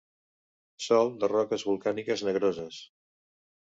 Sòl de roques volcàniques negroses.